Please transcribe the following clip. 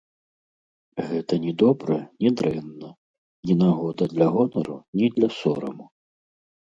Гэта ні добра, ні дрэнна, ні нагода для гонару, ні для сораму.